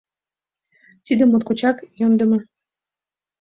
Тиде моткочак йӧндымӧ!